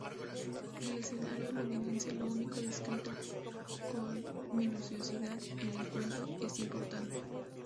El escenario londinense, lo único descrito con minuciosidad en el cuento, es importante.